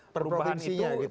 perprovinsinya gitu ya